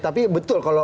tapi betul kalau